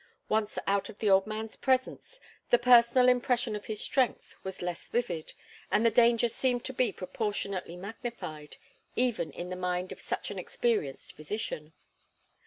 Once out of the old man's presence, the personal impression of his strength was less vivid, and the danger seemed to be proportionately magnified, even in the mind of such an experienced physician.